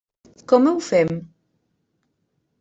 Com ho fem?